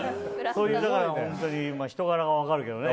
そういう人柄も分かるけどね。